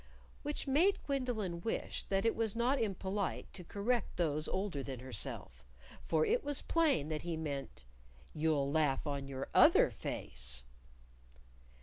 (Which made Gwendolyn wish that it was not impolite to correct those older than herself; for it was plain that he meant "you'll laugh on your other face.")